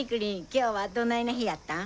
今日はどないな日やったん？